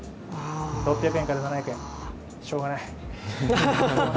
６００円から７００円、しようがない